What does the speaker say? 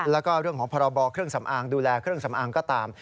แล้วก็เรื่องของพรบเครื่องสำอางดูแลเครื่องสำอางก็ตาม